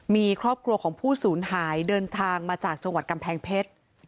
มีครอบครัวของผู้สูญหายเดินทางมาจากจังหวัดกำแพงเพชร